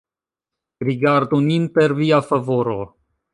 Rigardu nin per Via favoro.